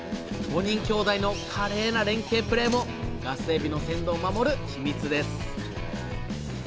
５人兄弟の華麗な連携プレーもガスエビの鮮度を守る秘密です！